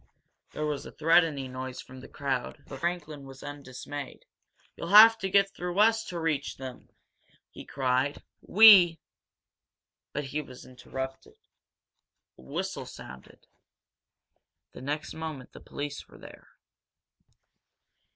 There was a threatening noise from the crowd, but Franklin was undismayed. "You'll have to get through us to reach them!" he cried. "We " But he was interrupted. A whistle sounded. The next moment the police were there.